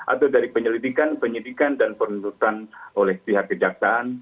atau dari penyelidikan penyidikan dan penuntutan oleh pihak kejaksaan